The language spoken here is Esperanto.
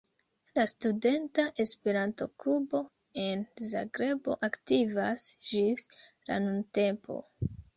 La Studenta Esperanto-Klubo en Zagrebo aktivas ĝis la nuntempo.